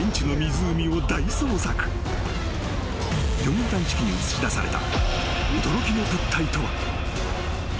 ［魚群探知機に映し出された］